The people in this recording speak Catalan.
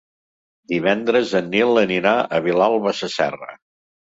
Divendres en Nil anirà a Vilalba Sasserra.